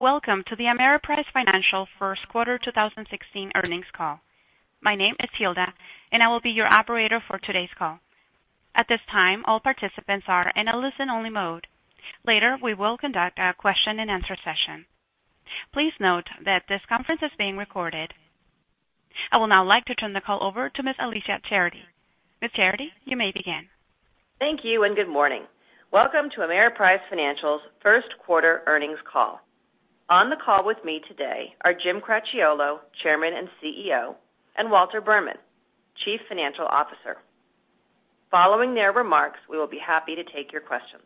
Welcome to the Ameriprise Financial first quarter 2016 earnings call. My name is Hilda, and I will be your operator for today's call. At this time, all participants are in a listen-only mode. Later, we will conduct our question and answer session. Please note that this conference is being recorded. I would now like to turn the call over to Ms. Alicia Charity. Ms. Charity, you may begin. Thank you. Good morning. Welcome to Ameriprise Financial's first quarter earnings call. On the call with me today are James Cracchiolo, Chairman and CEO, and Walter Berman, Chief Financial Officer. Following their remarks, we will be happy to take your questions.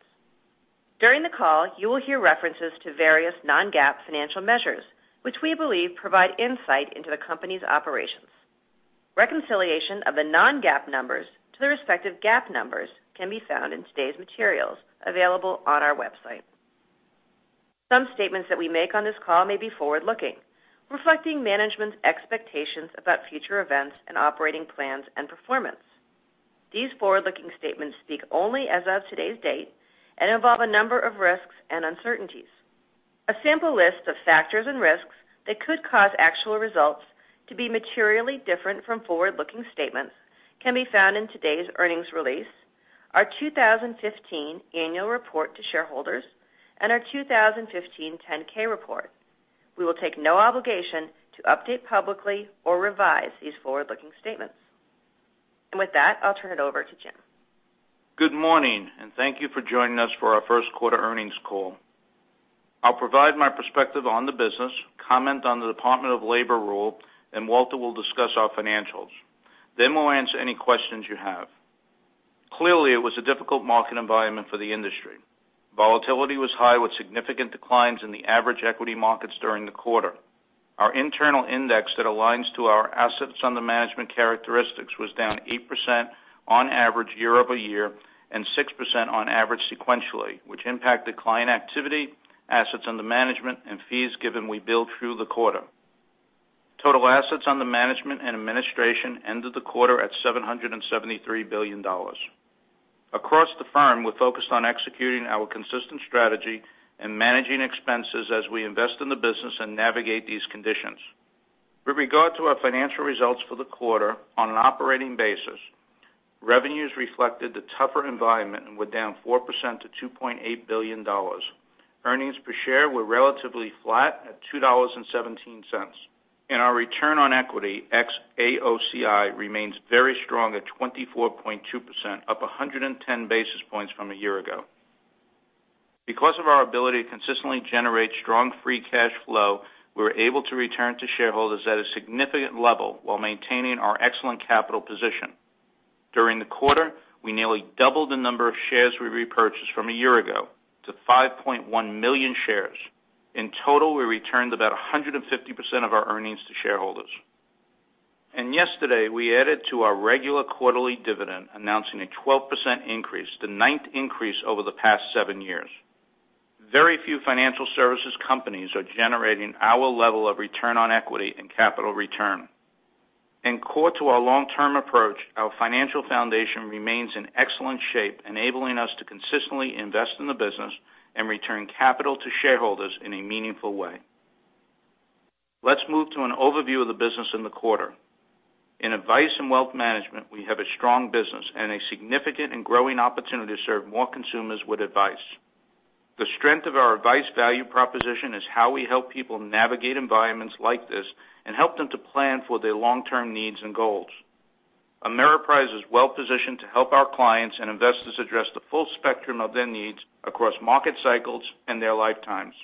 During the call, you will hear references to various non-GAAP financial measures, which we believe provide insight into the company's operations. Reconciliation of the non-GAAP numbers to their respective GAAP numbers can be found in today's materials available on our website. Some statements that we make on this call may be forward-looking, reflecting management's expectations about future events and operating plans and performance. These forward-looking statements speak only as of today's date and involve a number of risks and uncertainties. A sample list of factors and risks that could cause actual results to be materially different from forward-looking statements can be found in today's earnings release, our 2015 annual report to shareholders, and our 2015 10-K report. We will take no obligation to update publicly or revise these forward-looking statements. With that, I'll turn it over to Jim. Good morning. Thank you for joining us for our first quarter earnings call. I'll provide my perspective on the business, comment on the Department of Labor rule, and Walter will discuss our financials. We'll answer any questions you have. Clearly, it was a difficult market environment for the industry. Volatility was high with significant declines in the average equity markets during the quarter. Our internal index that aligns to our assets under management characteristics was down 8% on average year-over-year and 6% on average sequentially, which impacted client activity, assets under management, and fees given we billed through the quarter. Total assets under management and administration ended the quarter at $773 billion. Across the firm, we're focused on executing our consistent strategy and managing expenses as we invest in the business and navigate these conditions. With regard to our financial results for the quarter on an operating basis, revenues reflected the tougher environment and were down 4% to $2.8 billion. Earnings per share were relatively flat at $2.17. Our return on equity ex-AOCI remains very strong at 24.2%, up 110 basis points from a year ago. Because of our ability to consistently generate strong free cash flow, we're able to return to shareholders at a significant level while maintaining our excellent capital position. During the quarter, we nearly doubled the number of shares we repurchased from a year ago to 5.1 million shares. In total, we returned about 150% of our earnings to shareholders. Yesterday, we added to our regular quarterly dividend, announcing a 12% increase, the ninth increase over the past seven years. Very few financial services companies are generating our level of return on equity and capital return. In core to our long-term approach, our financial foundation remains in excellent shape, enabling us to consistently invest in the business and return capital to shareholders in a meaningful way. Let's move to an overview of the business in the quarter. In advice and wealth management, we have a strong business and a significant and growing opportunity to serve more consumers with advice. The strength of our advice value proposition is how we help people navigate environments like this and help them to plan for their long-term needs and goals. Ameriprise is well-positioned to help our clients and investors address the full spectrum of their needs across market cycles and their lifetimes.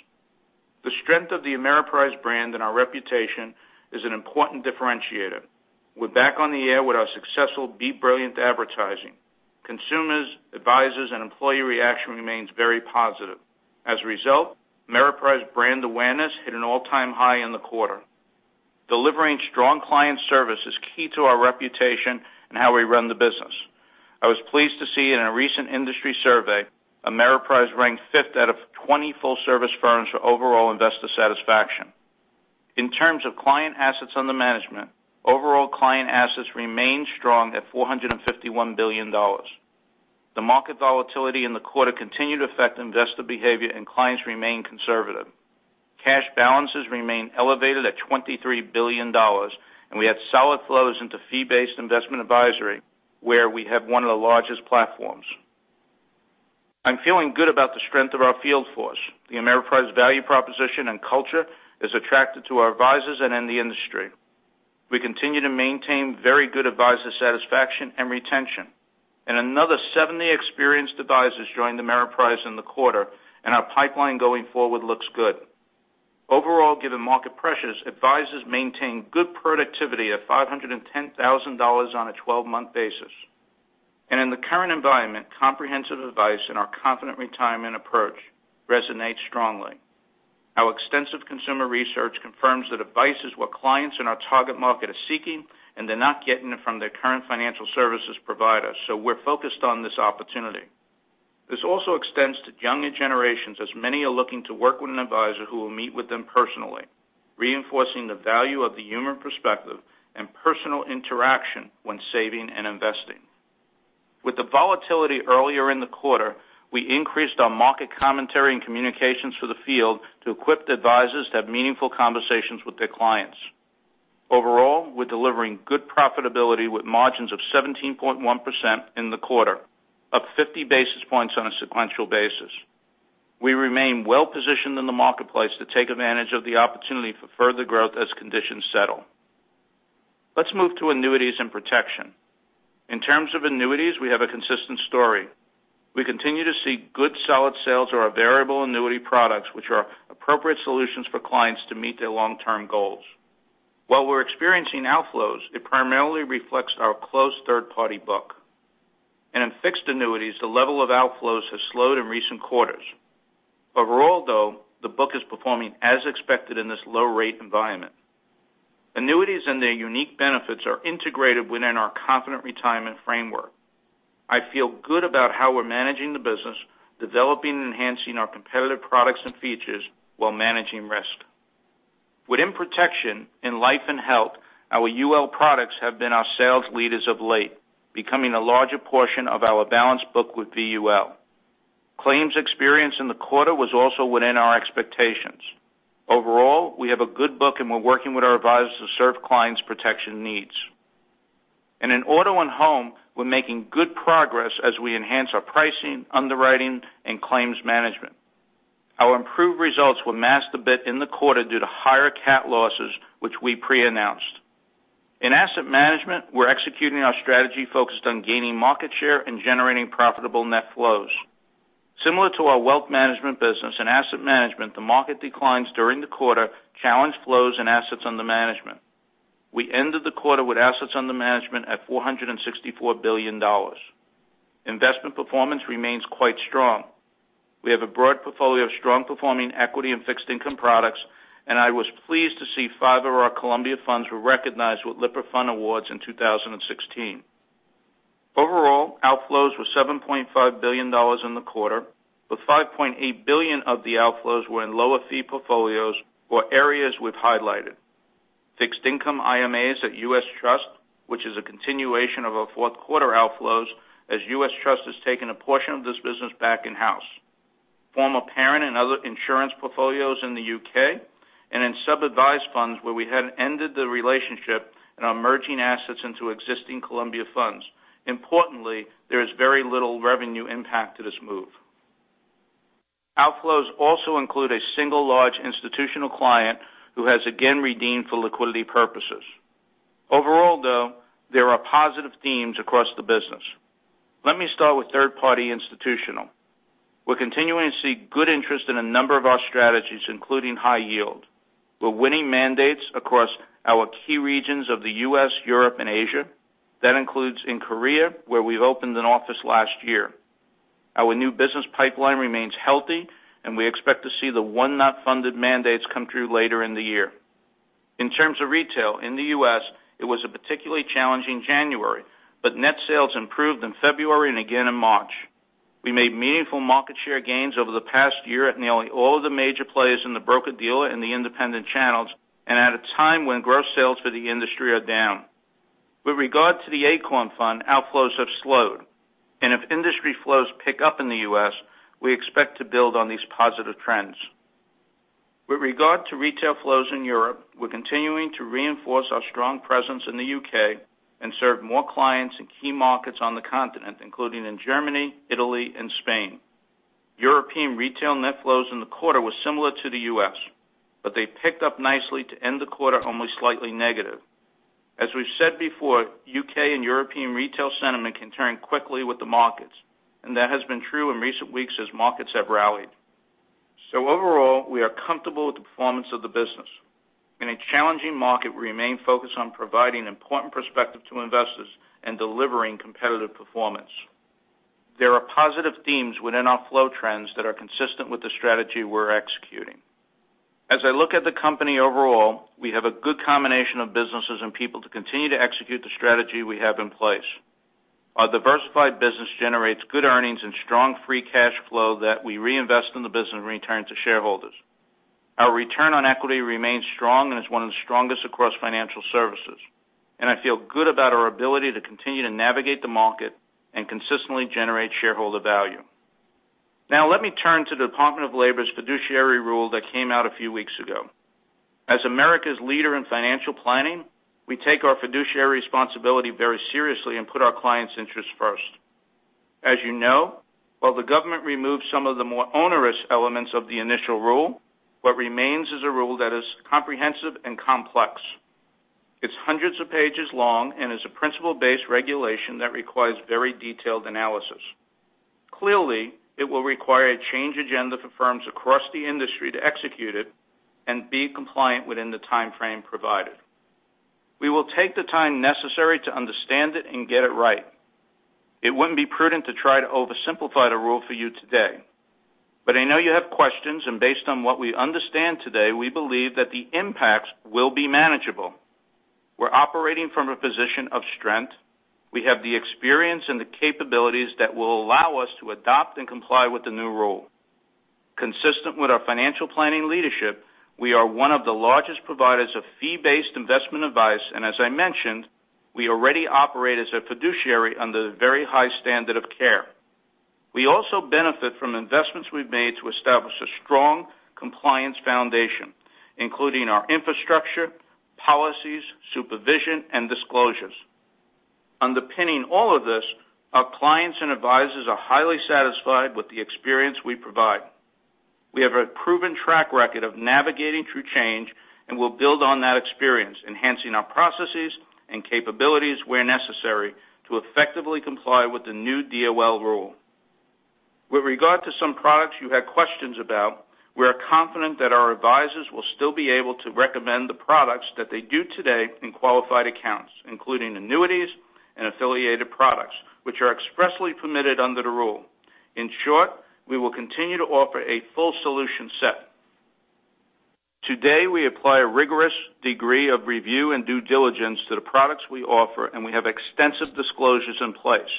The strength of the Ameriprise brand and our reputation is an important differentiator. We're back on the air with our successful Be Brilliant advertising. Consumers, advisors, and employee reaction remains very positive. As a result, Ameriprise brand awareness hit an all-time high in the quarter. Delivering strong client service is key to our reputation and how we run the business. I was pleased to see in a recent industry survey, Ameriprise ranked fifth out of 20 full-service firms for overall investor satisfaction. In terms of client assets under management, overall client assets remained strong at $451 billion. The market volatility in the quarter continued to affect investor behavior, and clients remained conservative. Cash balances remained elevated at $23 billion, and we had solid flows into fee-based investment advisory, where we have one of the largest platforms. I'm feeling good about the strength of our field force. The Ameriprise value proposition and culture is attractive to our advisors and in the industry. We continue to maintain very good advisor satisfaction and retention. Another seven experienced advisors joined Ameriprise in the quarter, and our pipeline going forward looks good. Overall, given market pressures, advisors maintain good productivity at $510,000 on a 12-month basis. In the current environment, comprehensive advice and our Confident Retirement approach resonates strongly. Our extensive consumer research confirms that advice is what clients in our target market are seeking, and they're not getting it from their current financial services provider. We're focused on this opportunity. This also extends to younger generations, as many are looking to work with an advisor who will meet with them personally, reinforcing the value of the human perspective and personal interaction when saving and investing. With the volatility earlier in the quarter, we increased our market commentary and communications for the field to equip the advisors to have meaningful conversations with their clients. Overall, we're delivering good profitability with margins of 17.1% in the quarter, up 50 basis points on a sequential basis. We remain well-positioned in the marketplace to take advantage of the opportunity for further growth as conditions settle. Let's move to annuities and protection. In terms of annuities, we have a consistent story. We continue to see good solid sales of our variable annuity products, which are appropriate solutions for clients to meet their long-term goals. While we're experiencing outflows, it primarily reflects our close third-party book. In fixed annuities, the level of outflows has slowed in recent quarters. Overall, though, the book is performing as expected in this low-rate environment. Annuities and their unique benefits are integrated within our Confident Retirement framework. I feel good about how we're managing the business, developing and enhancing our competitive products and features while managing risk. Within protection, in life and health, our UL products have been our sales leaders of late, becoming a larger portion of our balanced book with VUL. Claims experience in the quarter was also within our expectations. Overall, we have a good book, and we're working with our advisors to serve clients' protection needs. In auto and home, we're making good progress as we enhance our pricing, underwriting, and claims management. Our improved results were masked a bit in the quarter due to higher cat losses, which we pre-announced. In asset management, we're executing our strategy focused on gaining market share and generating profitable net flows. Similar to our wealth management business, in asset management, the market declines during the quarter challenged flows and assets under management. We ended the quarter with assets under management at $464 billion. Investment performance remains quite strong. We have a broad portfolio of strong performing equity and fixed income products, and I was pleased to see five of our Columbia funds were recognized with Lipper Fund Awards in 2016. Overall, outflows were $7.5 billion in the quarter, with $5.8 billion of the outflows were in lower fee portfolios or areas we've highlighted. Fixed income IMAs at U.S. Trust, which is a continuation of our fourth quarter outflows, as U.S. Trust has taken a portion of this business back in-house. Former parent and other insurance portfolios in the U.K., and in sub-advised funds where we had ended the relationship and are merging assets into existing Columbia funds. Importantly, there is very little revenue impact to this move. Outflows also include a single large institutional client who has again redeemed for liquidity purposes. Overall, though, there are positive themes across the business. Let me start with third-party institutional. We're continuing to see good interest in a number of our strategies, including high yield. We're winning mandates across our key regions of the U.S., Europe, and Asia. That includes in Korea, where we opened an office last year. Our new business pipeline remains healthy, and we expect to see the one not funded mandates come through later in the year. In terms of retail in the U.S., it was a particularly challenging January, but net sales improved in February and again in March. We made meaningful market share gains over the past year at nearly all of the major players in the broker-dealer and the independent channels, and at a time when gross sales for the industry are down. With regard to the Acorn Fund, outflows have slowed, and if industry flows pick up in the U.S., we expect to build on these positive trends. With regard to retail flows in Europe, we're continuing to reinforce our strong presence in the U.K. and serve more clients in key markets on the continent, including in Germany, Italy, and Spain. European retail net flows in the quarter were similar to the U.S., but they picked up nicely to end the quarter only slightly negative. As we've said before, U.K. and European retail sentiment can turn quickly with the markets, and that has been true in recent weeks as markets have rallied. Overall, we are comfortable with the performance of the business. In a challenging market, we remain focused on providing important perspective to investors and delivering competitive performance. There are positive themes within our flow trends that are consistent with the strategy we're executing. As I look at the company overall, we have a good combination of businesses and people to continue to execute the strategy we have in place. Our diversified business generates good earnings and strong free cash flow that we reinvest in the business and return to shareholders. Our return on equity remains strong and is one of the strongest across financial services. I feel good about our ability to continue to navigate the market and consistently generate shareholder value. Now, let me turn to the Department of Labor's fiduciary rule that came out a few weeks ago. As America's leader in financial planning, we take our fiduciary responsibility very seriously and put our clients' interests first. As you know, while the government removed some of the more onerous elements of the initial rule, what remains is a rule that is comprehensive and complex. It's hundreds of pages long and is a principle-based regulation that requires very detailed analysis. Clearly, it will require a change agenda for firms across the industry to execute it and be compliant within the timeframe provided. We will take the time necessary to understand it and get it right. It wouldn't be prudent to try to oversimplify the rule for you today. I know you have questions, and based on what we understand today, we believe that the impacts will be manageable. We're operating from a position of strength. We have the experience and the capabilities that will allow us to adopt and comply with the new rule. Consistent with our financial planning leadership, we are one of the largest providers of fee-based investment advice, and as I mentioned, we already operate as a fiduciary under the very high standard of care. We also benefit from investments we've made to establish a strong compliance foundation, including our infrastructure, policies, supervision, and disclosures. Underpinning all of this, our clients and advisors are highly satisfied with the experience we provide. We have a proven track record of navigating through change, and we'll build on that experience, enhancing our processes and capabilities where necessary to effectively comply with the new DOL rule. With regard to some products you had questions about, we are confident that our advisors will still be able to recommend the products that they do today in qualified accounts, including annuities and affiliated products, which are expressly permitted under the rule. In short, we will continue to offer a full solution set. Today, we apply a rigorous degree of review and due diligence to the products we offer, and we have extensive disclosures in place.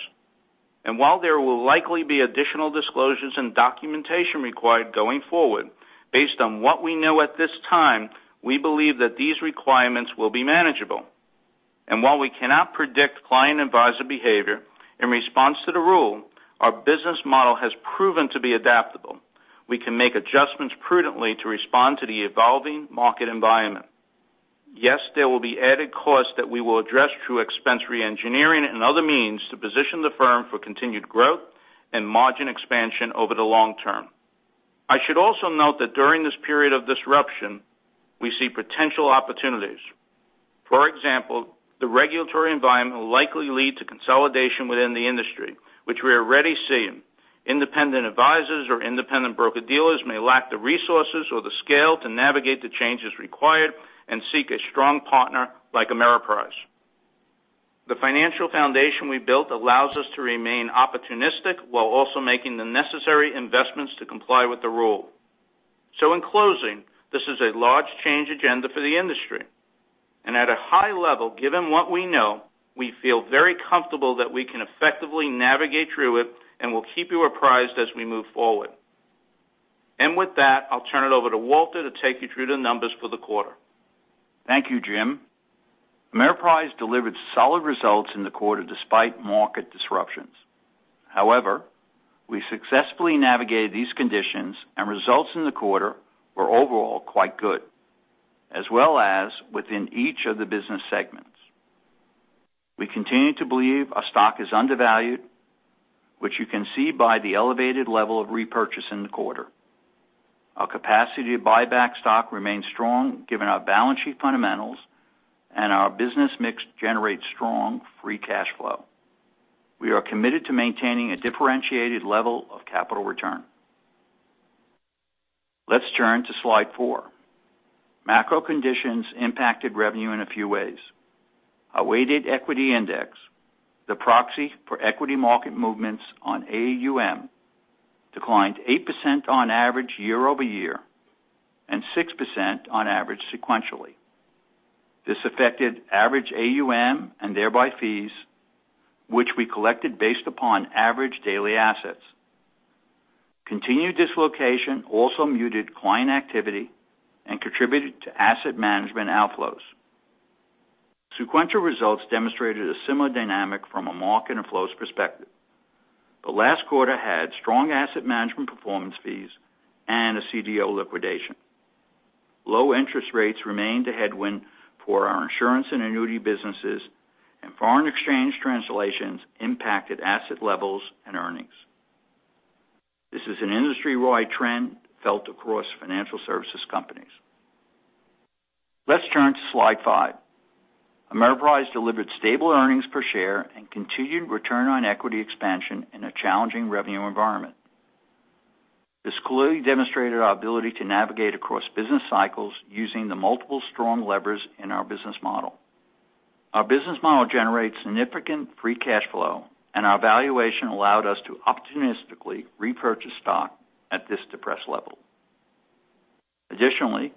While there will likely be additional disclosures and documentation required going forward, based on what we know at this time, we believe that these requirements will be manageable. While we cannot predict client advisor behavior in response to the rule, our business model has proven to be adaptable. We can make adjustments prudently to respond to the evolving market environment. There will be added costs that we will address through expense reengineering and other means to position the firm for continued growth and margin expansion over the long term. I should also note that during this period of disruption, we see potential opportunities. For example, the regulatory environment will likely lead to consolidation within the industry, which we are already seeing. Independent advisors or independent broker-dealers may lack the resources or the scale to navigate the changes required and seek a strong partner like Ameriprise. The financial foundation we built allows us to remain opportunistic while also making the necessary investments to comply with the rule. In closing, this is a large change agenda for the industry. At a high level, given what we know, we feel very comfortable that we can effectively navigate through it. We'll keep you apprised as we move forward. With that, I'll turn it over to Walter to take you through the numbers for the quarter. Thank you, Jim. Ameriprise delivered solid results in the quarter despite market disruptions. However, we successfully navigated these conditions, and results in the quarter were overall quite good, as well as within each of the business segments. We continue to believe our stock is undervalued, which you can see by the elevated level of repurchase in the quarter. Our capacity to buy back stock remains strong given our balance sheet fundamentals, and our business mix generates strong free cash flow. We are committed to maintaining a differentiated level of capital return. Let's turn to slide four. Macro conditions impacted revenue in a few ways. A weighted equity index, the proxy for equity market movements on AUM, declined 8% on average year-over-year and 6% on average sequentially. This affected average AUM and thereby fees, which we collected based upon average daily assets. Continued dislocation also muted client activity and contributed to asset management outflows. Sequential results demonstrated a similar dynamic from a mark and inflows perspective. The last quarter had strong asset management performance fees and a CDO liquidation. Low interest rates remained a headwind for our insurance and annuity businesses, and foreign exchange translations impacted asset levels and earnings. This is an industry-wide trend felt across financial services companies. Let's turn to slide five. Ameriprise delivered stable earnings per share and continued return on equity expansion in a challenging revenue environment. This clearly demonstrated our ability to navigate across business cycles using the multiple strong levers in our business model. Our business model generates significant free cash flow, and our valuation allowed us to optimistically repurchase stock at this depressed level. Additionally,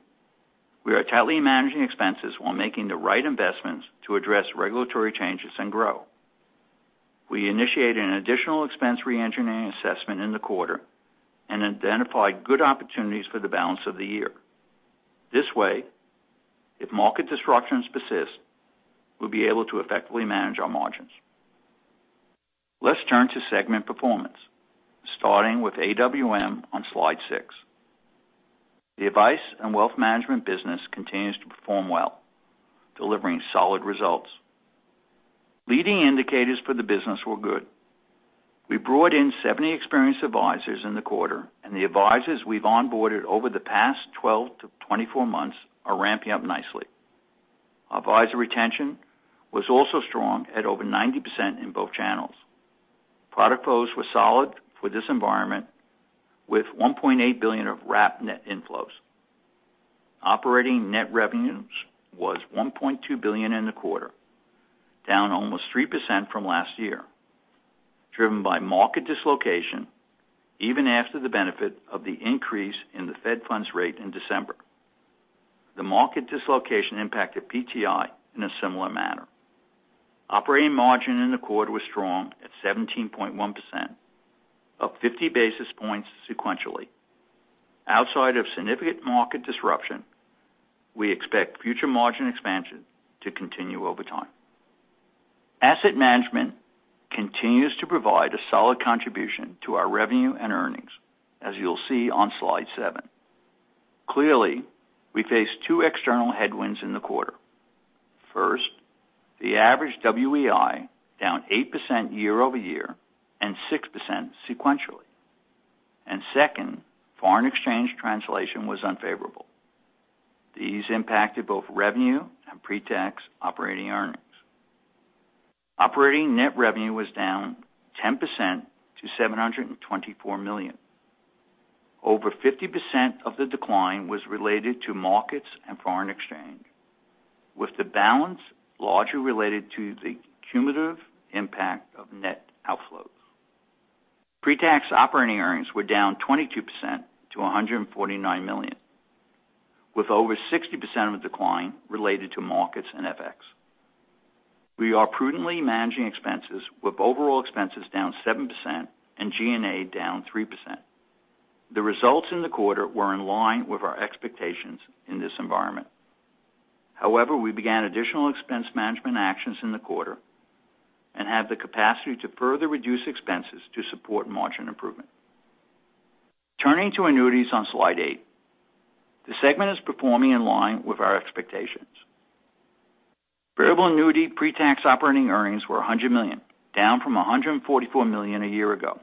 we are tightly managing expenses while making the right investments to address regulatory changes and grow. We initiated an additional expense reengineering assessment in the quarter and identified good opportunities for the balance of the year. This way, if market disruptions persist, we'll be able to effectively manage our margins. Let's turn to segment performance, starting with AWM on slide six. The advice and wealth management business continues to perform well, delivering solid results. Leading indicators for the business were good. We brought in 70 experienced advisors in the quarter, and the advisors we've onboarded over the past 12 to 24 months are ramping up nicely. Advisor retention was also strong at over 90% in both channels. Product flows were solid for this environment with $1.8 billion of wrap net inflows. Operating net revenues was $1.2 billion in the quarter, down almost 3% from last year, driven by market dislocation even after the benefit of the increase in the Fed funds rate in December. The market dislocation impacted PTI in a similar manner. Operating margin in the quarter was strong at 17.1%, up 50 basis points sequentially. Outside of significant market disruption, we expect future margin expansion to continue over time. Asset management continues to provide a solid contribution to our revenue and earnings, as you'll see on slide seven. Clearly, we face two external headwinds in the quarter. First, the average WEI down 8% year-over-year and 6% sequentially. Second, foreign exchange translation was unfavorable. These impacted both revenue and pre-tax operating earnings. Operating net revenue was down 10% to $724 million. Over 50% of the decline was related to markets and foreign exchange, with the balance largely related to the cumulative impact of net outflows. Pre-tax operating earnings were down 22% to $149 million, with over 60% of the decline related to markets and FX. We are prudently managing expenses, with overall expenses down 7% and G&A down 3%. The results in the quarter were in line with our expectations in this environment. However, we began additional expense management actions in the quarter and have the capacity to further reduce expenses to support margin improvement. Turning to annuities on slide eight. The segment is performing in line with our expectations. Variable annuity pre-tax operating earnings were $100 million, down from $144 million a year ago.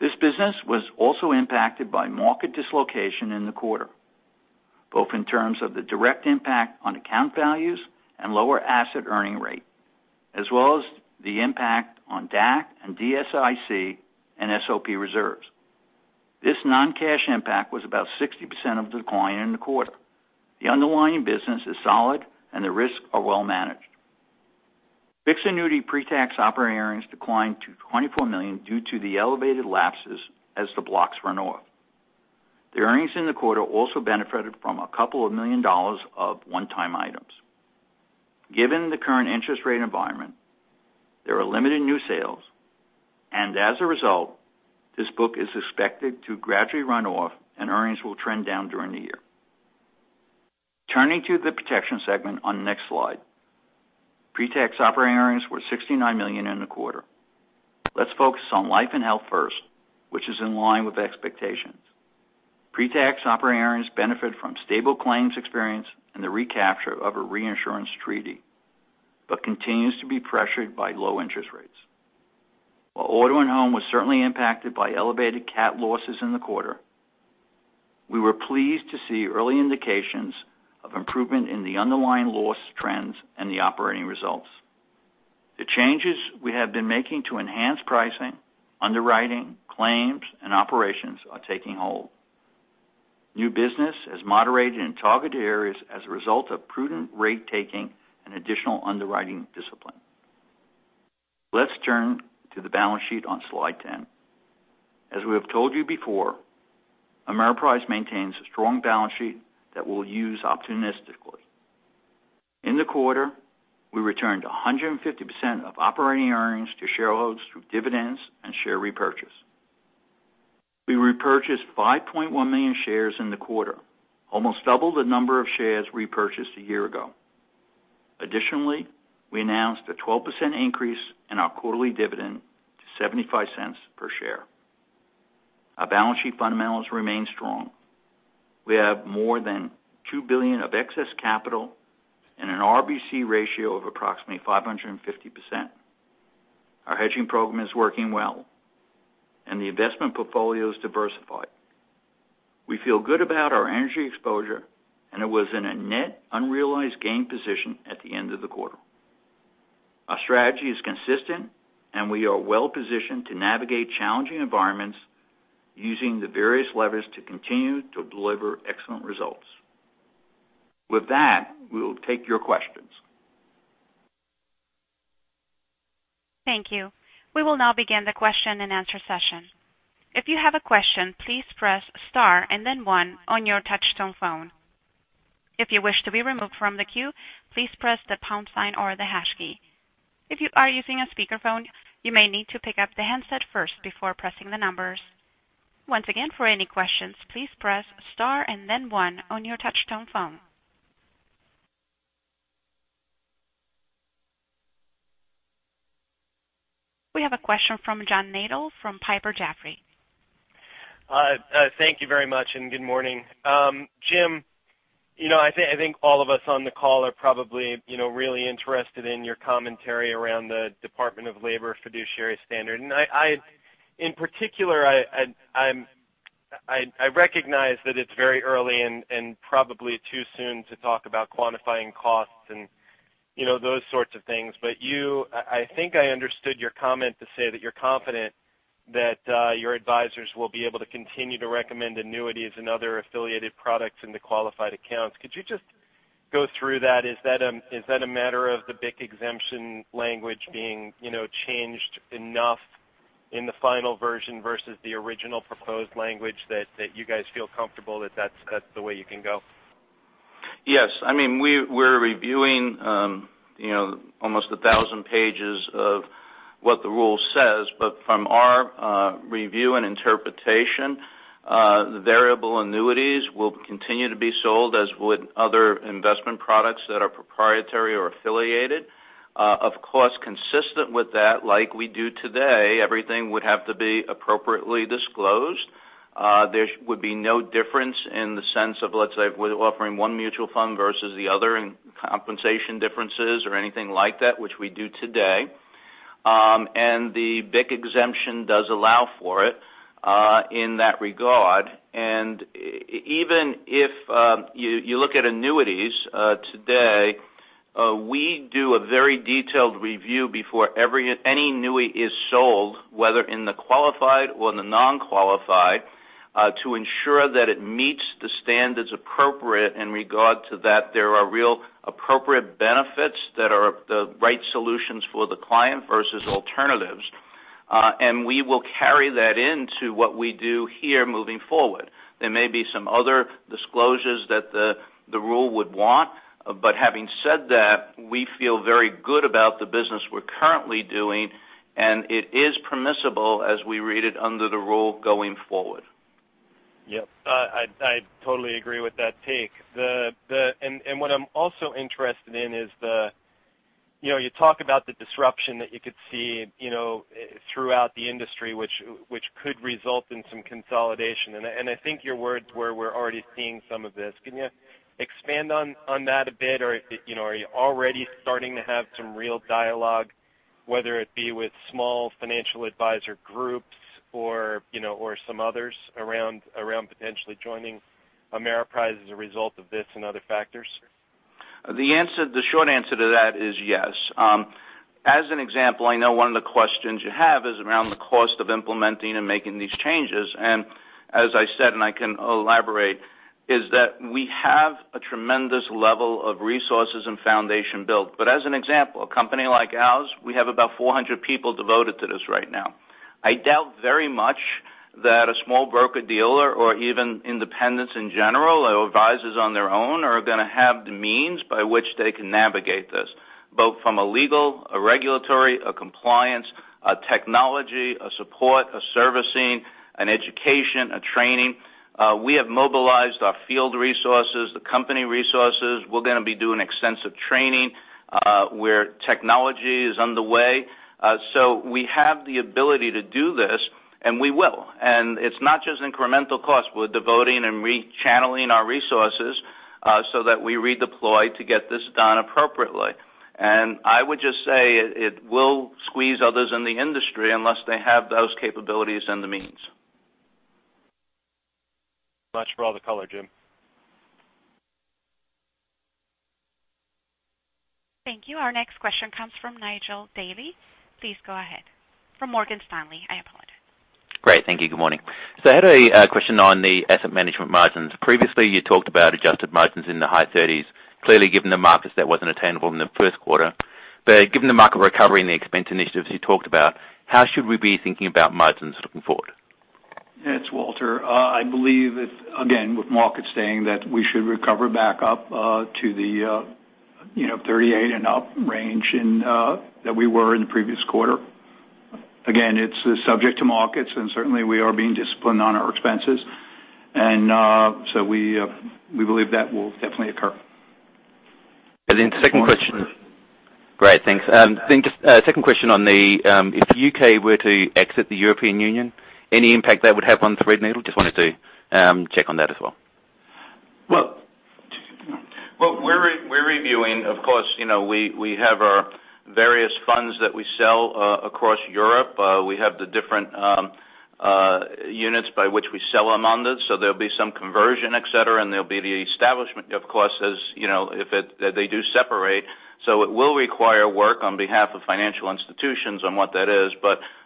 This business was also impacted by market dislocation in the quarter, both in terms of the direct impact on account values and lower asset earning rate, as well as the impact on DAC and DSIC and SOP reserves. This non-cash impact was about 60% of the decline in the quarter. The underlying business is solid, and the risks are well managed. Fixed annuity pre-tax operating earnings declined to $24 million due to the elevated lapses as the blocks run off. The earnings in the quarter also benefited from a couple of million dollars of one-time items. Given the current interest rate environment, there are limited new sales. As a result, this book is expected to gradually run off, and earnings will trend down during the year. Turning to the protection segment on the next slide. Pre-tax operating earnings were $69 million in the quarter. Let's focus on life and health first, which is in line with expectations. Pre-tax operating earnings benefit from stable claims experience and the recapture of a reinsurance treaty, but continues to be pressured by low interest rates. While auto and home was certainly impacted by elevated cat losses in the quarter, we were pleased to see early indications of improvement in the underlying loss trends and the operating results. The changes we have been making to enhance pricing, underwriting, claims, and operations are taking hold. New business has moderated in targeted areas as a result of prudent rate taking and additional underwriting discipline. Let's turn to the balance sheet on slide 10. As we have told you before, Ameriprise maintains a strong balance sheet that we'll use opportunistically. In the quarter, we returned 150% of operating earnings to shareholders through dividends and share repurchase. We repurchased 5.1 million shares in the quarter, almost double the number of shares repurchased a year ago. Additionally, we announced a 12% increase in our quarterly dividend to $0.75 per share. Our balance sheet fundamentals remain strong. We have more than $2 billion of excess capital and an RBC ratio of approximately 550%. Our hedging program is working well, and the investment portfolio is diversified. We feel good about our energy exposure, and it was in a net unrealized gain position at the end of the quarter. Our strategy is consistent, and we are well-positioned to navigate challenging environments using the various levers to continue to deliver excellent results. With that, we'll take your questions. Thank you. We will now begin the question and answer session. If you have a question, please press star and then one on your touchtone phone. If you wish to be removed from the queue, please press the pound sign or the hash key. If you are using a speakerphone, you may need to pick up the handset first before pressing the numbers. Once again, for any questions, please press star and then one on your touchtone phone. We have a question from John Nadel from Piper Jaffray. Thank you very much. Good morning. Jim, I think all of us on the call are probably really interested in your commentary around the Department of Labor fiduciary standard. In particular, I recognize that it's very early and probably too soon to talk about quantifying costs and those sorts of things. I think I understood your comment to say that you're confident that your advisors will be able to continue to recommend annuities and other affiliated products in the qualified accounts. Could you just go through that? Is that a matter of the BIC exemption language being changed enough in the final version versus the original proposed language that you guys feel comfortable that that's the way you can go? Yes. We're reviewing almost 1,000 pages of what the rule says. From our review and interpretation, variable annuities will continue to be sold, as would other investment products that are proprietary or affiliated. Of course, consistent with that, like we do today, everything would have to be appropriately disclosed. There would be no difference in the sense of, let's say, we're offering one mutual fund versus the other in compensation differences or anything like that, which we do today. The BIC exemption does allow for it in that regard. Even if you look at annuities today, we do a very detailed review before any annuity is sold, whether in the qualified or the non-qualified, to ensure that it meets the standards appropriate in regard to that there are real appropriate benefits that are the right solutions for the client versus alternatives. We will carry that into what we do here moving forward. There may be some other disclosures that the rule would want. Having said that, we feel very good about the business we're currently doing, and it is permissible, as we read it, under the rule going forward. Yep. I totally agree with that take. What I'm also interested in is you talk about the disruption that you could see throughout the industry, which could result in some consolidation. I think your words were we're already seeing some of this. Can you expand on that a bit? Are you already starting to have some real dialogue, whether it be with small financial advisor groups or some others around potentially joining Ameriprise as a result of this and other factors? The short answer to that is yes. As an example, I know one of the questions you have is around the cost of implementing and making these changes. As I said, and I can elaborate, is that we have a tremendous level of resources and foundation built. As an example, a company like ours, we have about 400 people devoted to this right now. I doubt very much that a small broker-dealer or even independents in general or advisors on their own are going to have the means by which they can navigate this, both from a legal, a regulatory, a compliance, a technology, a support, a servicing, an education, a training. We have mobilized our field resources, the company resources. We're going to be doing extensive training where technology is underway. We have the ability to do this, and we will. It's not just incremental cost. We're devoting and rechanneling our resources so that we redeploy to get this done appropriately. I would just say it will squeeze others in the industry unless they have those capabilities and the means. Much for all the color, Jim. Thank you. Our next question comes from Nigel Dally. Please go ahead. From Morgan Stanley, I apologize. Great. Thank you. Good morning. I had a question on the asset management margins. Previously, you talked about adjusted margins in the high 30s. Clearly, given the markets, that wasn't attainable in the first quarter. Given the market recovery and the expense initiatives you talked about, how should we be thinking about margins looking forward? It's Walter. I believe it's, again, with markets saying that we should recover back up to the 38 and up range that we were in the previous quarter. Again, it's subject to markets, certainly, we are being disciplined on our expenses. So we believe that will definitely occur. Second question. Great, thanks. Just a second question on the, if the U.K. were to exit the European Union, any impact that would have on Threadneedle? Just wanted to check on that as well. Well, we're reviewing. Of course, we have our various funds that we sell across Europe. We have the different units by which we sell among those. There'll be some conversion, et cetera, and there'll be the establishment, of course, if they do separate. It will require work on behalf of financial institutions on what that is.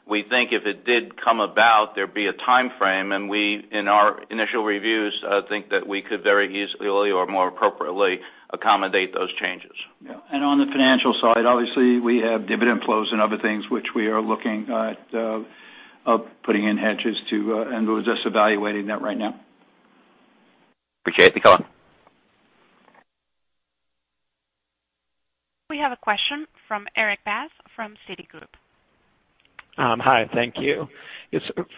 We think if it did come about, there'd be a timeframe, and we, in our initial reviews, think that we could very easily or more appropriately accommodate those changes. Yeah. On the financial side, obviously, we have dividend flows and other things which we are looking at putting in hedges to, we're just evaluating that right now. Appreciate the call. We have a question from Erik Bass from Citigroup. Hi. Thank you.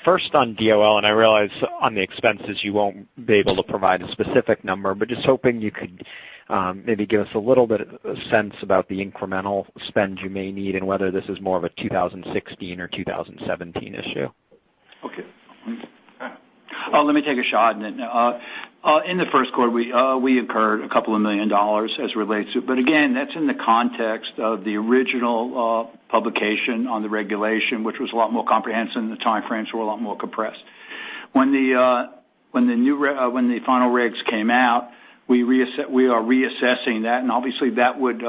First on DOL. I realize on the expenses you won't be able to provide a specific number. Just hoping you could maybe give us a little bit of sense about the incremental spend you may need and whether this is more of a 2016 or 2017 issue. Okay. Let me take a shot. In the first quarter, we incurred a couple of million dollars as relates to. Again, that's in the context of the original publication on the regulation, which was a lot more comprehensive, and the timeframes were a lot more compressed. When the final regs came out, we are reassessing that. Obviously, that would,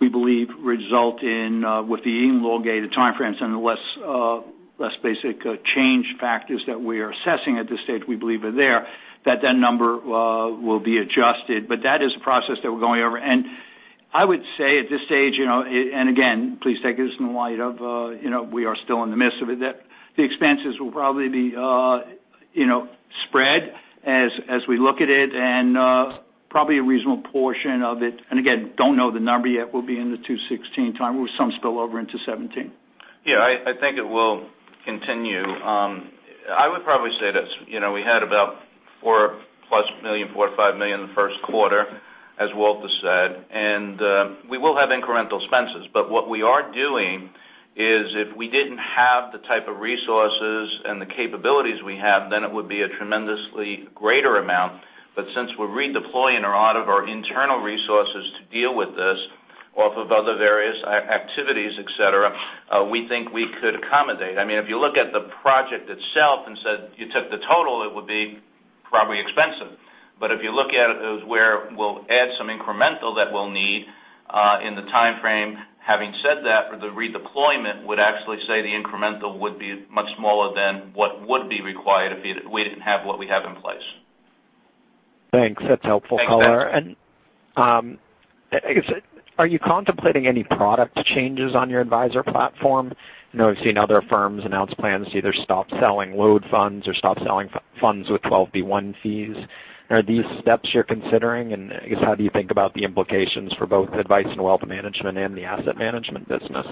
we believe, result in, with the elongated timeframes and the less basic change factors that we are assessing at this stage, we believe are there, that that number will be adjusted. That is a process that we're going over. I would say at this stage, and again, please take this in the light of we are still in the midst of it, that the expenses will probably be spread as we look at it, and probably a reasonable portion of it, and again, don't know the number yet, will be in the 2016 time, with some spillover into 2017. I think it will continue. I would probably say this. We had about $4 plus million, $4 or $5 million in the first quarter, as Walter said. We will have incremental expenses. What we are doing is if we didn't have the type of resources and the capabilities we have, then it would be a tremendously greater amount. Since we're redeploying a lot of our internal resources to deal with this off of other various activities, et cetera, we think we could accommodate. If you look at the project itself and said you took the total, it would be probably expensive. If you look at it as where we'll add some incremental that we'll need in the timeframe, having said that, for the redeployment, would actually say the incremental would be much smaller than what would be required if we didn't have what we have in place. Thanks. That's helpful color. Thanks, Patrick. I guess are you contemplating any product changes on your advisor platform? I've seen other firms announce plans to either stop selling load funds or stop selling funds with 12b-1 fees. Are these steps you're considering, and I guess how do you think about the implications for both advice and wealth management and the asset management business?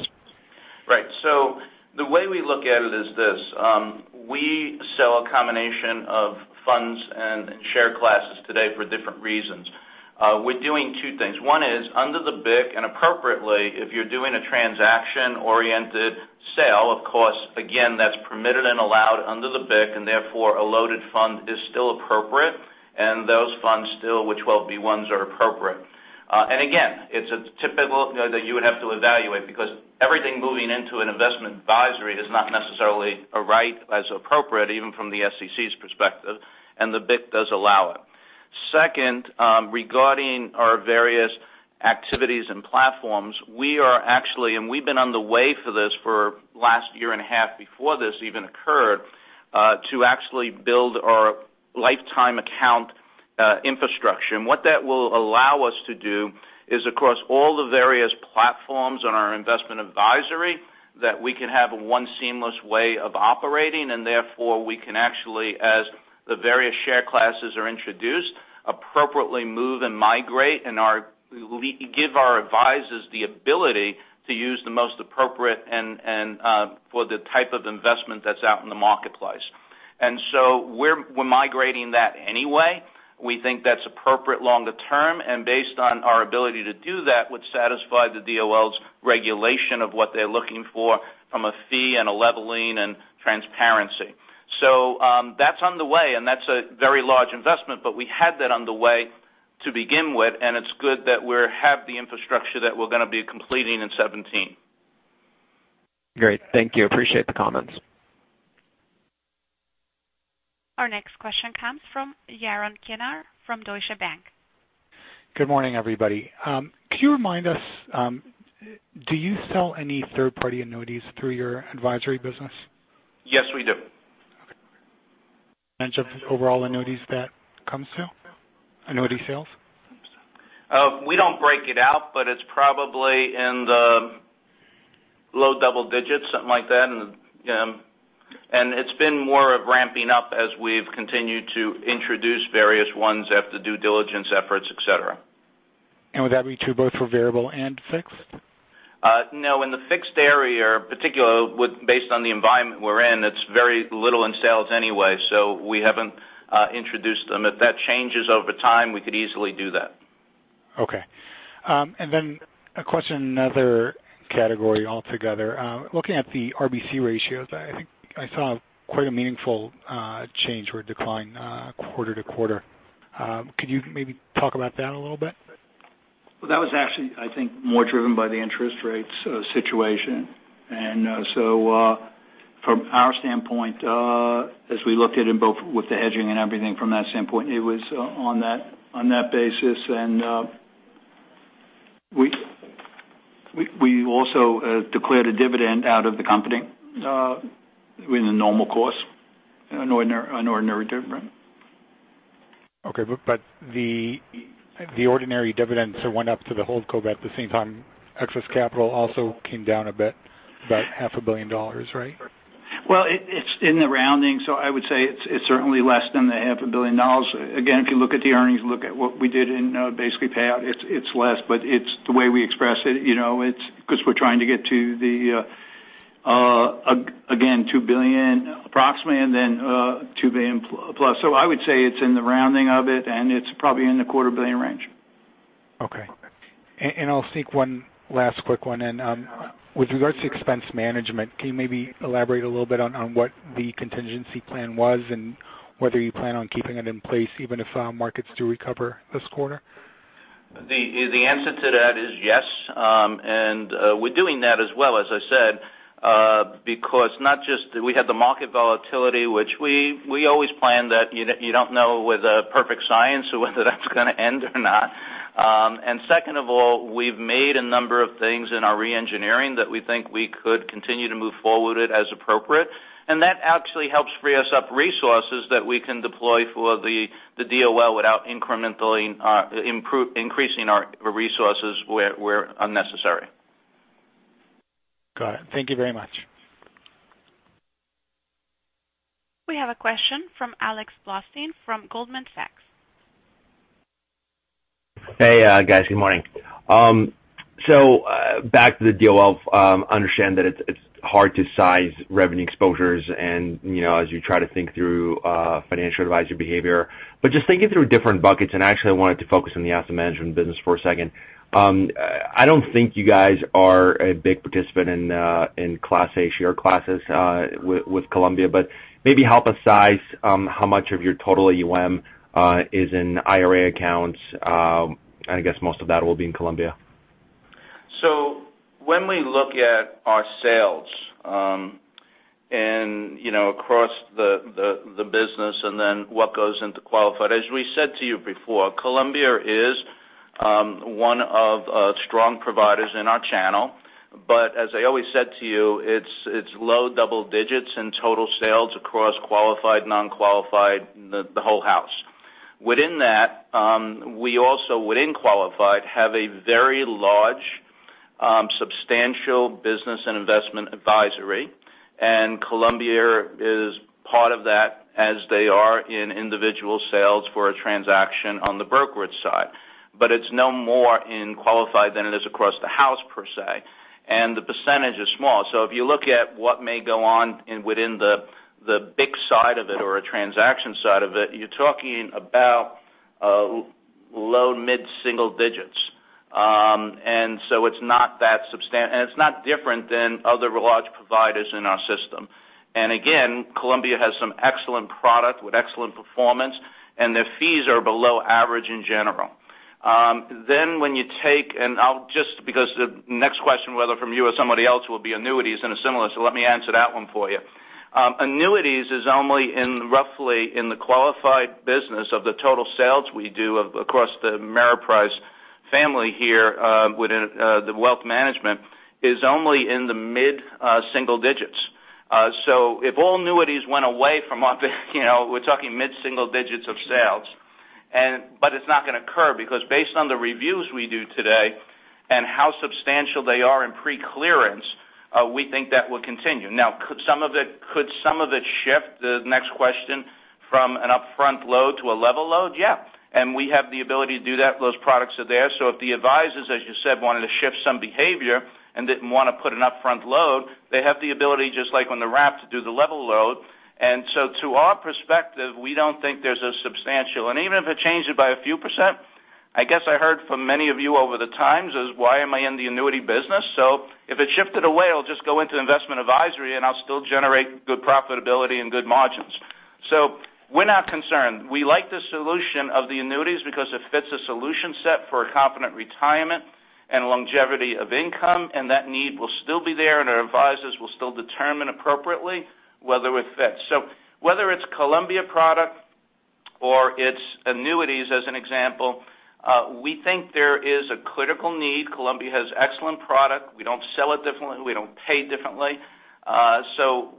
Right. The way we look at it is this. We sell a combination of funds and share classes today for different reasons. We're doing two things. One is, under the BIC, and appropriately, if you're doing a transaction-oriented sale, of course, again, that's permitted and allowed under the BIC, and therefore, a loaded fund is still appropriate, and those funds still with 12b-1s are appropriate. Again, it's a typical that you would have to evaluate, because everything moving into an investment advisory is not necessarily a right as appropriate, even from the SEC's perspective, and the BIC does allow it. Second, regarding our various activities and platforms, we are actually, and we've been on the way for this for last year and a half before this even occurred, to actually build our lifetime account infrastructure. What that will allow us to do is across all the various platforms on our investment advisory, that we can have one seamless way of operating, and therefore, we can actually, as the various share classes are introduced, appropriately move and migrate and give our advisors the ability to use the most appropriate for the type of investment that's out in the marketplace. We're migrating that anyway. We think that's appropriate longer term, and based on our ability to do that would satisfy the DOL's regulation of what they're looking for from a fee and a leveling and transparency. That's on the way, and that's a very large investment, but we had that on the way to begin with, and it's good that we have the infrastructure that we're going to be completing in 2017. Great. Thank you. Appreciate the comments. Our next question comes from Yaron Kinar from Deutsche Bank. Good morning, everybody. Could you remind us, do you sell any third-party annuities through your advisory business? Yes, we do. Okay. Percentage of overall annuities that comes through? Annuity sales? We don't break it out, but it's probably in the low double digits, something like that. It's been more of ramping up as we've continued to introduce various ones after due diligence efforts, et cetera. Would that be true both for variable and fixed? No. In the fixed area, particularly based on the environment we're in, it's very little in sales anyway, so we haven't introduced them. If that changes over time, we could easily do that. Okay. A question, another category altogether. Looking at the RBC ratios, I think I saw quite a meaningful change or decline quarter-to-quarter. Could you maybe talk about that a little bit? Well, that was actually, I think, more driven by the interest rates situation. From our standpoint, as we looked at in both with the hedging and everything from that standpoint, it was on that basis. We also declared a dividend out of the company within the normal course, an ordinary dividend. Okay. The ordinary dividends went up to the hold co, at the same time, excess capital also came down a bit, about half a billion dollars, right? Well, it's in the rounding, I would say it's certainly less than the half a billion dollars. Again, if you look at the earnings, look at what we did in basic payout, it's less. It's the way we express it because we're trying to get to the, again, $2 billion approximately, $2 billion plus. I would say it's in the rounding of it, and it's probably in the quarter billion range. Okay. I'll sneak one last quick one in. With regards to expense management, can you maybe elaborate a little bit on what the contingency plan was and whether you plan on keeping it in place even if markets do recover this quarter? The answer to that is yes. We're doing that as well, as I said, because not just we had the market volatility, which we always plan that you don't know with a perfect science whether that's going to end or not. Second of all, we've made a number of things in our re-engineering that we think we could continue to move forward as appropriate. That actually helps free us up resources that we can deploy for the DOL without incrementally increasing our resources where unnecessary. Got it. Thank you very much. We have a question from Alex Blostein from Goldman Sachs. Hey, guys. Good morning. Back to the DOL, understand that it's hard to size revenue exposures and as you try to think through financial advisory behavior, but just thinking through different buckets, actually, I wanted to focus on the asset management business for a second. I don't think you guys are a big participant in class A share classes with Columbia, but maybe help us size how much of your total AUM is in IRA accounts. I guess most of that will be in Columbia. When we look at our sales, and across the business and then what goes into qualified, as we said to you before, Columbia is one of strong providers in our channel. As I always said to you, it's low double digits in total sales across qualified, non-qualified, the whole house. Within that, we also, within qualified, have a very large, substantial business and investment advisory, and Columbia is part of that as they are in individual sales for a transaction on the brokerage side. It's no more in qualified than it is across the house per se, and the percentage is small. If you look at what may go on within the big side of it or a transaction side of it, you're talking about low mid-single digits. It's not that substantial, and it's not different than other large providers in our system. Again, Columbia has some excellent product with excellent performance, and their fees are below average in general. When you take, I'll just because the next question, whether from you or somebody else, will be annuities in a similar, let me answer that one for you. Annuities is only in, roughly, in the qualified business of the total sales we do across the Ameriprise family here within the wealth management is only in the mid-single digits. If all annuities went away from our business, we're talking mid-single digits of sales. It's not going to occur because based on the reviews we do today and how substantial they are in pre-clearance, we think that will continue. Now, could some of it shift, the next question, from an upfront load to a level load? Yeah. We have the ability to do that. Those products are there. If the advisors, as you said, wanted to shift some behavior and didn't want to put an upfront load, they have the ability, just like on the wrap, to do the level load. To our perspective, we don't think there's a substantial. Even if it changed it by a few %, I guess I heard from many of you over the times is why am I in the annuity business? If it shifted away, I'll just go into investment advisory, and I'll still generate good profitability and good margins. We're not concerned. We like the solution of the annuities because it fits a solution set for a Confident Retirement and longevity of income, and that need will still be there, and our advisors will still determine appropriately whether it fits. Whether it's Columbia product or it's annuities, as an example, we think there is a critical need. Columbia has excellent product. We don't sell it differently. We don't pay differently.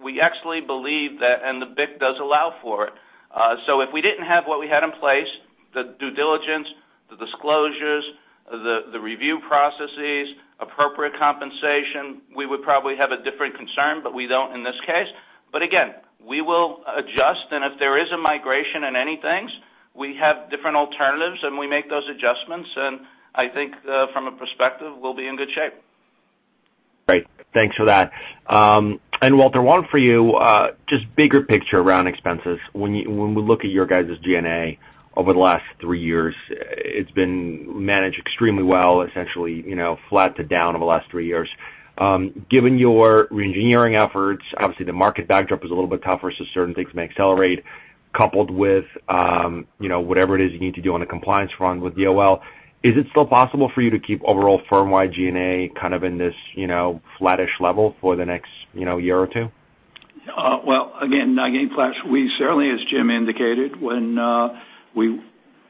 We actually believe that, and the BIC does allow for it. If we didn't have what we had in place, the due diligence, the disclosures, the review processes, appropriate compensation, we would probably have a different concern, but we don't in this case. Again, we will adjust, and if there is a migration in any things, we have different alternatives, and we make those adjustments. I think from a perspective, we'll be in good shape. Great. Thanks for that. Walter, one for you, just bigger picture around expenses. When we look at your guys' G&A over the last 3 years, it's been managed extremely well, essentially flat to down over the last 3 years. Given your re-engineering efforts, obviously the market backdrop is a little bit tougher, so certain things may accelerate coupled with whatever it is you need to do on the compliance front with DOL. Is it still possible for you to keep overall firm-wide G&A in this flattish level for the next year or two? Well, again, flat, we certainly, as Jim indicated, when we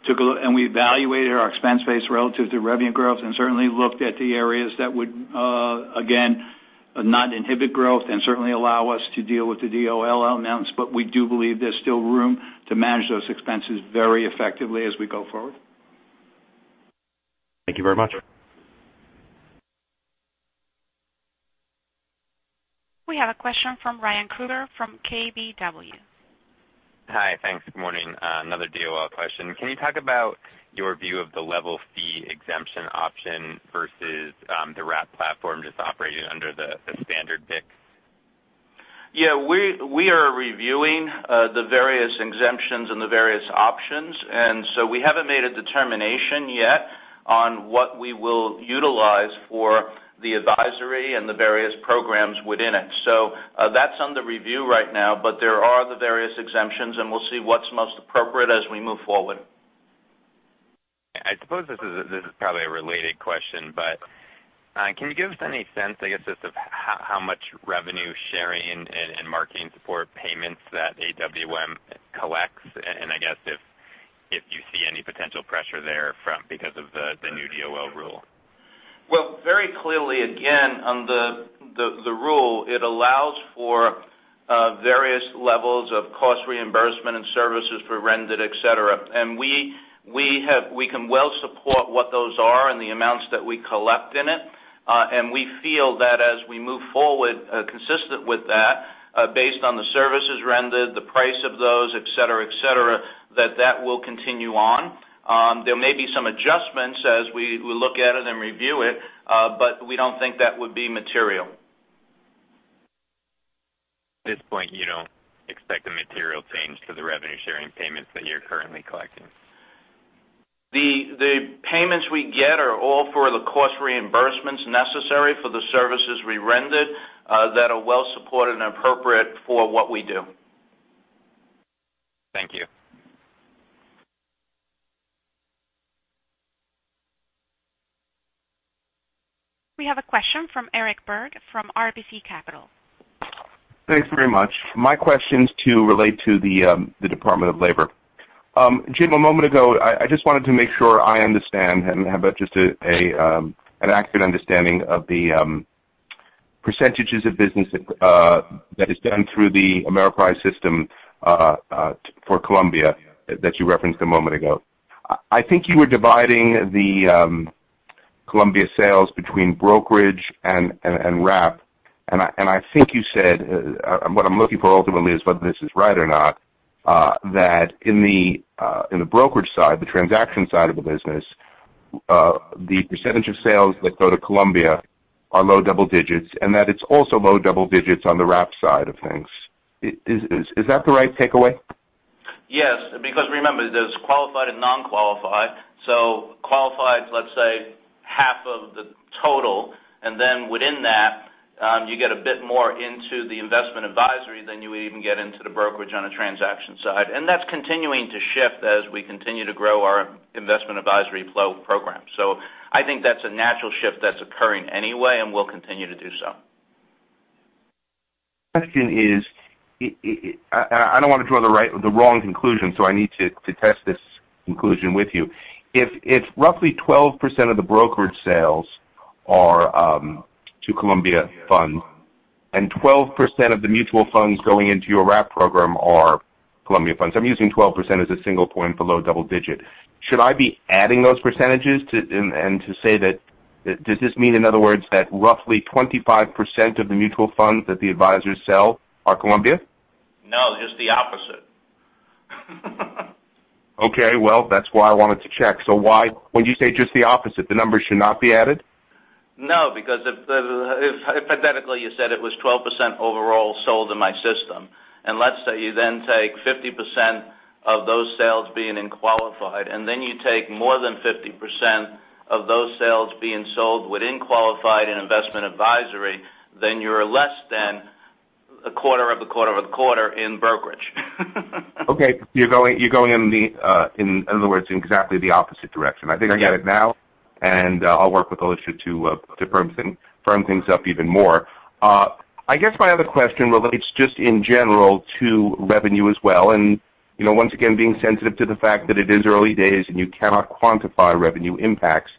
took a look and we evaluated our expense base relative to revenue growth and certainly looked at the areas that would, again, not inhibit growth and certainly allow us to deal with the DOL announcements, we do believe there's still room to manage those expenses very effectively as we go forward. Thank you very much. We have a question from Ryan Krueger from KBW. Hi. Thanks. Good morning. Another DOL question. Can you talk about your view of the level fee exemption option versus the wrap platform just operating under the standard BIC? Yeah. We are reviewing the various exemptions and the various options, and so we haven't made a determination yet on what we will utilize for the advisory and the various programs within it. That's under review right now, but there are the various exemptions, and we'll see what's most appropriate as we move forward. I suppose this is probably a related question. Can you give us any sense, I guess, just of how much revenue sharing and marketing support payments that AWM collects? Do you see any potential pressure there because of the new DOL rule? Well, very clearly, again, on the rule, it allows for various levels of cost reimbursement and services for rendered, et cetera. We can well support what those are and the amounts that we collect in it. We feel that as we move forward, consistent with that, based on the services rendered, the price of those, et cetera, that will continue on. There may be some adjustments as we look at it and review it, but we don't think that would be material. At this point, you don't expect a material change to the revenue-sharing payments that you're currently collecting. The payments we get are all for the cost reimbursements necessary for the services we rendered, that are well-supported and appropriate for what we do. Thank you. We have a question from Eric Berg from RBC Capital. Thanks very much. My question is to relate to the Department of Labor. Jim, a moment ago, I just wanted to make sure I understand and have just an accurate understanding of the percentages of business that is done through the Ameriprise system for Columbia that you referenced a moment ago. I think you were dividing the Columbia sales between brokerage and wrap. I think you said, what I'm looking for ultimately is whether this is right or not, that in the brokerage side, the transaction side of the business, the percentage of sales that go to Columbia are low double digits, and that it's also low double digits on the wrap side of things. Is that the right takeaway? Yes, because remember, there's qualified and non-qualified. Qualified, let's say, half of the total. Then within that, you get a bit more into the investment advisory than you would even get into the brokerage on a transaction side. That's continuing to shift as we continue to grow our investment advisory flow program. I think that's a natural shift that's occurring anyway and will continue to do so. Question is, I don't want to draw the wrong conclusion, so I need to test this conclusion with you. If roughly 12% of the brokerage sales are to Columbia funds, and 12% of the mutual funds going into your wrap program are Columbia funds, I'm using 12% as a single point for low double digit. Should I be adding those percentages, and to say that, does this mean, in other words, that roughly 25% of the mutual funds that the advisors sell are Columbia? No, just the opposite. Okay, well, that's why I wanted to check. Why would you say just the opposite? The numbers should not be added? No, because if hypothetically you said it was 12% overall sold in my system, and let's say you then take 50% of those sales being in qualified, and then you take more than 50% of those sales being sold within qualified in investment advisory, then you're less than a quarter of a quarter of a quarter in brokerage. Okay. You're going, in other words, in exactly the opposite direction. I think I get it now, and I'll work with Alicia to firm things up even more. I guess my other question, well, it's just in general to revenue as well, and once again, being sensitive to the fact that it is early days, and you cannot quantify revenue impacts.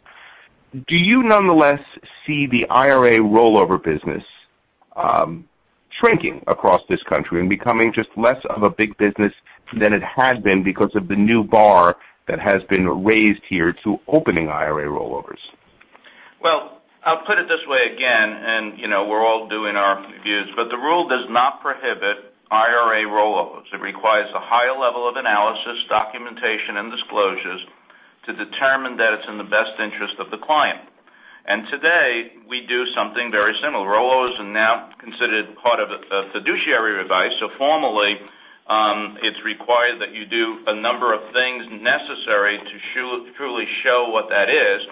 Do you nonetheless see the IRA rollover business shrinking across this country and becoming just less of a big business than it had been because of the new bar that has been raised here to opening IRA rollovers? Well, I'll put it this way again, and we're all doing our views, but the rule does not prohibit IRA rollovers. It requires a higher level of analysis, documentation, and disclosures to determine that it's in the best interest of the client. Today, we do something very similar. Rollovers are now considered part of a fiduciary advice. Formally, it's required that you do a number of things necessary to truly show what that is.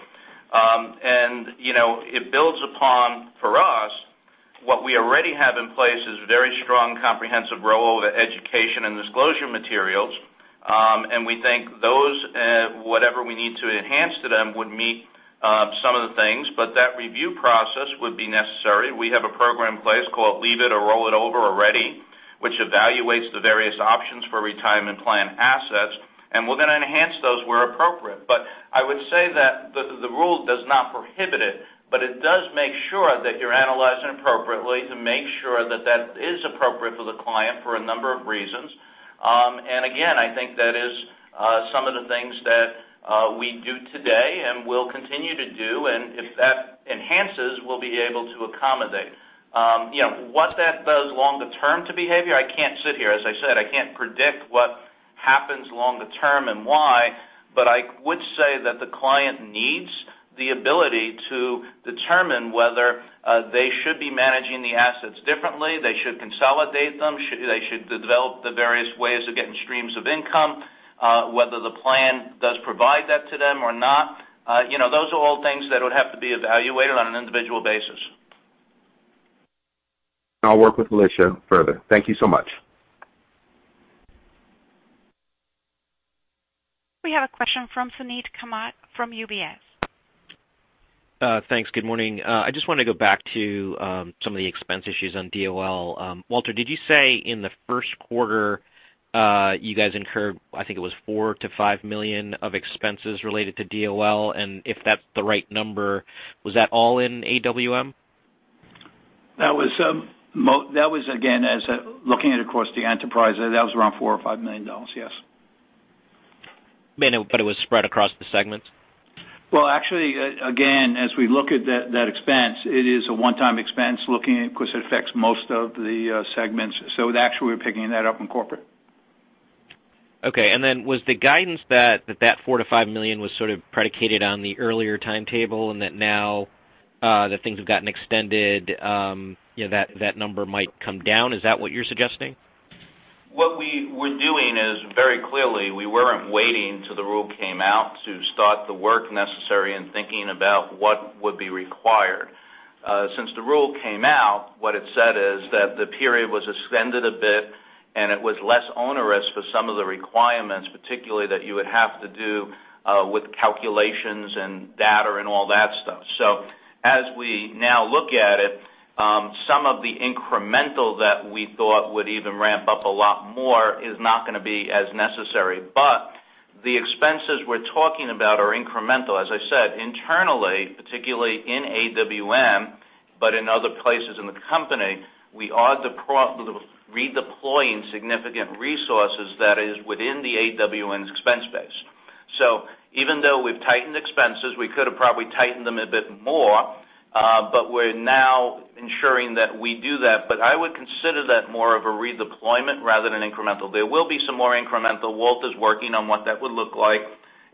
It builds upon, for us, what we already have in place is very strong, comprehensive rollover education and disclosure materials. We think those, whatever we need to enhance to them, would meet some of the things. That review process would be necessary. We have a program in place called Leave It or Roll It Over, or LIRRO, which evaluates the various options for retirement plan assets, and we're going to enhance those where appropriate. I would say that the rule does not prohibit it, but it does make sure that you're analyzing appropriately to make sure that that is appropriate for the client for a number of reasons. Again, I think that is some of the things that we do today and will continue to do. If that enhances, we'll be able to accommodate. What that does longer term to behavior, I can't sit here, as I said, I can't predict what happens longer term and why, but I would say that the client needs the ability to determine whether they should be managing the assets differently, they should consolidate them, they should develop the various ways of getting streams of income, whether the plan does provide that to them or not. Those are all things that would have to be evaluated on an individual basis. I'll work with Alicia further. Thank you so much. We have a question from Suneet Kamath from UBS. Thanks. Good morning. I just want to go back to some of the expense issues on DOL. Walter, did you say in the first quarter, you guys incurred, I think it was $4 million to $5 million of expenses related to DOL, and if that's the right number, was that all in AWM? That was, again, as looking at across the enterprise, that was around $4 million or $5 million, yes. It was spread across the segments? Well, actually, again, as we look at that expense, it is a one-time expense looking at because it affects most of the segments. Actually, we're picking that up in corporate. Okay. Was the guidance that four to $5 million was sort of predicated on the earlier timetable and that now that things have gotten extended, that number might come down. Is that what you're suggesting? What we were doing is very clearly we weren't waiting till the rule came out to start the work necessary in thinking about what would be required. Since the rule came out, what it said is that the period was extended a bit and it was less onerous for some of the requirements, particularly that you would have to do with calculations and data and all that stuff. As we now look at it, some of the incremental that we thought would even ramp up a lot more is not going to be as necessary. The expenses we're talking about are incremental, as I said, internally, particularly in AWM, but in other places in the company, we are redeploying significant resources that is within the AWM's expense base. Even though we've tightened expenses, we could have probably tightened them a bit more, but we're now ensuring that we do that. I would consider that more of a redeployment rather than incremental. There will be some more incremental. Walter's working on what that would look like,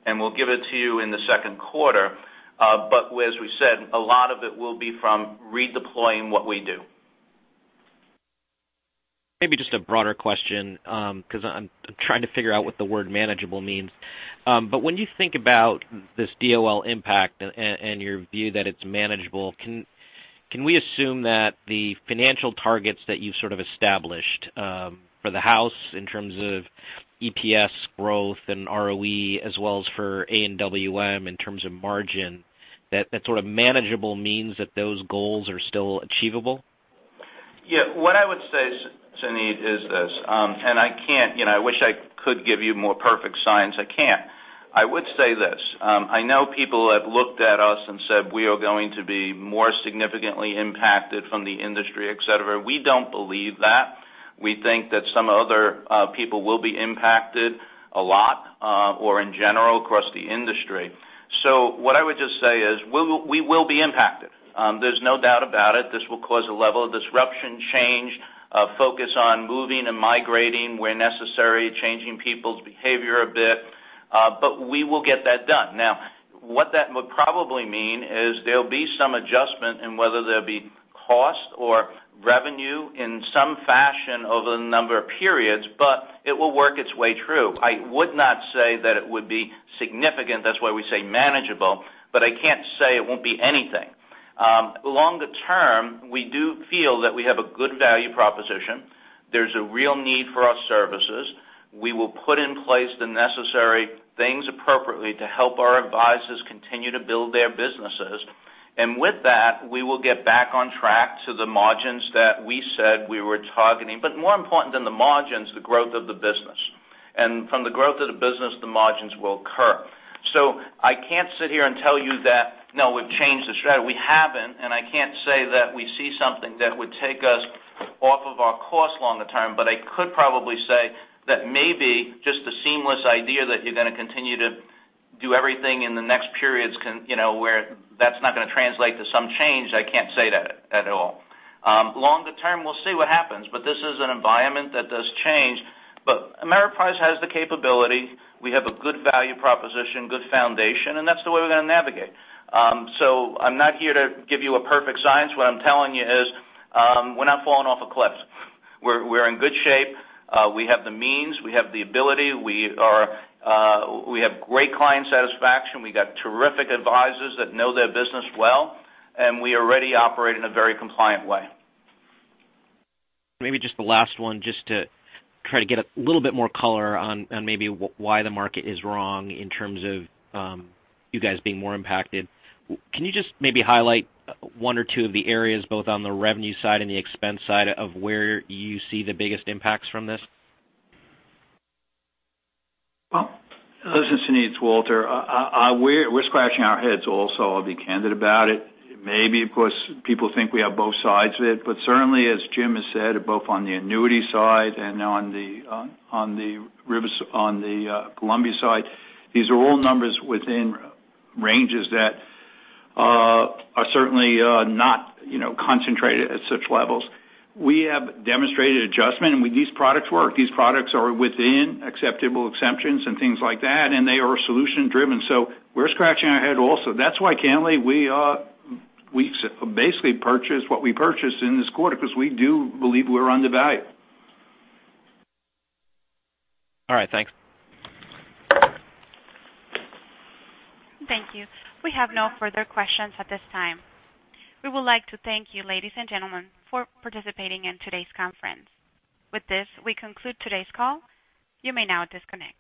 and we'll give it to you in the second quarter. As we said, a lot of it will be from redeploying what we do. Maybe just a broader question, because I'm trying to figure out what the word manageable means. When you think about this DOL impact and your view that it's manageable, can we assume that the financial targets that you've sort of established for the house in terms of EPS growth and ROE as well as for AWM in terms of margin, that sort of manageable means that those goals are still achievable? Yeah. What I would say, Suneet, is this. I wish I could give you more perfect science. I can't. I would say this. I know people have looked at us and said we are going to be more significantly impacted from the industry, et cetera. We don't believe that. We think that some other people will be impacted a lot or in general across the industry. What I would just say is we will be impacted. There's no doubt about it. This will cause a level of disruption, change, focus on moving and migrating where necessary, changing people's behavior a bit. We will get that done. Now, what that would probably mean is there'll be some adjustment in whether there'll be cost or revenue in some fashion over a number of periods, it will work its way through. I would not say that it would be significant. That's why we say manageable, I can't say it won't be anything. Longer term, we do feel that we have a good value proposition. There's a real need for our services. We will put in place the necessary things appropriately to help our advisors continue to build their businesses. With that, we will get back on track to the margins that we said we were targeting. More important than the margins, the growth of the business. From the growth of the business, the margins will occur. I can't sit here and tell you that, no, we've changed the strategy. We haven't. I can't say that we see something that would take us off of our cost longer term, I could probably say that maybe just the seamless idea that you're going to continue to do everything in the next periods where that's not going to translate to some change, I can't say that at all. Longer term, we'll see what happens, this is an environment that does change. Ameriprise has the capability. We have a good value proposition, good foundation, that's the way we're going to navigate. I'm not here to give you a perfect science. What I'm telling you is we're not falling off a cliff. We're in good shape. We have the means. We have the ability. We have great client satisfaction. We got terrific advisors that know their business well, we already operate in a very compliant way. Maybe just the last one, just to try to get a little bit more color on maybe why the market is wrong in terms of you guys being more impacted. Can you just maybe highlight one or two of the areas, both on the revenue side and the expense side of where you see the biggest impacts from this? Well, listen, Suneet, it's Walter. We're scratching our heads also. I'll be candid about it. Maybe, of course, people think we have both sides of it, but certainly, as Jim has said, both on the annuity side and on the Columbia side, these are all numbers within ranges that are certainly not concentrated at such levels. We have demonstrated adjustment, and these products work. These products are within acceptable exemptions and things like that, and they are solution-driven. We're scratching our head also. That's why, candidly, we basically purchased what we purchased in this quarter because we do believe we're undervalued. All right. Thanks. Thank you. We have no further questions at this time. We would like to thank you, ladies and gentlemen, for participating in today's conference. With this, we conclude today's call. You may now disconnect.